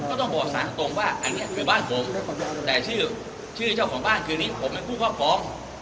ก็ต้องบอกสารตรงว่าอันนี้คือบ้านผมแต่ชื่อชื่อเจ้าของบ้านคือนี้ผมเป็นผู้ครอบครอง